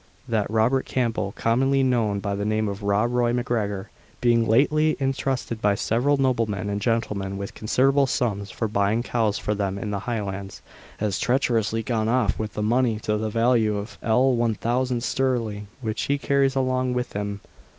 "That Robert Campbell, commonly known by the name of Rob Roy MacGregor, being lately intrusted by several noblemen and gentlemen with considerable sums for buying cows for them in the Highlands, has treacherously gone off with the money, to the value of L1000 sterling, which he carries along with him.